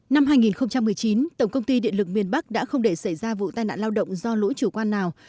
năm hai nghìn một mươi chín tổng công ty điện lực miền bắc đã không để xảy ra vụ tai nạn lao động do lỗi chủ quan nào